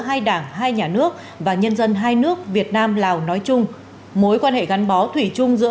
hai đảng hai nhà nước và nhân dân hai nước việt nam lào nói chung mối quan hệ gắn bó thủy chung giữa